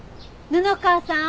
布川さーん。